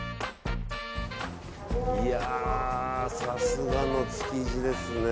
いやあ、さすがの築地ですね。